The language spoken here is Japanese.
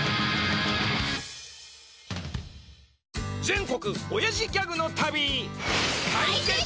全国おやじギャグの旅！